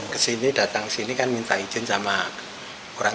kesini datang sini kan minta izin sama orang